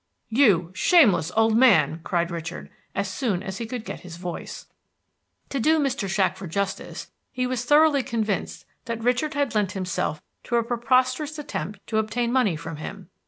"You shameless old man!" cried Richard, as soon as he could get his voice. To do Mr. Shackford justice, he was thoroughly convinced that Richard had lent himself to a preposterous attempt to obtain money from him.